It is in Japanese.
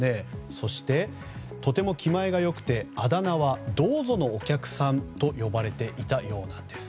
そして、とても気前が良くてあだ名はどうぞのお客さんと呼ばれていたようなんです。